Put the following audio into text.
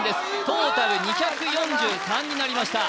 トータル２４３になりました